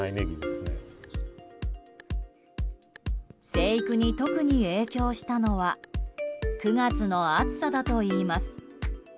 生育に特に影響したのは９月の暑さだといいます。